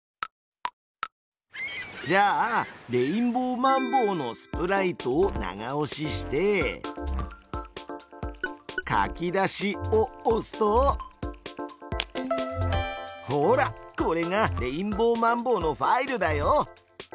じゃあレインボーマンボウのスプライトを長押しして「書き出し」を押すとほらこれがレインボーマンボウのファイルだよ！